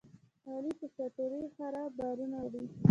علي په شاتوري خره بارونه وړي.